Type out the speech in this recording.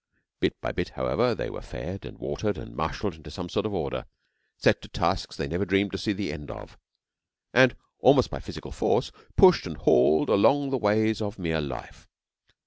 Bit by bit, however, they were fed and watered and marshalled into some sort of order; set to tasks they never dreamed to see the end of; and, almost by physical force, pushed and hauled along the ways of mere life.